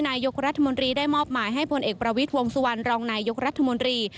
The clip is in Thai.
นายกรัฐมนตรีได้มอบหมายให้พลเอกประวิทย์วงสุวรรณรองนายยกรัฐมนตรี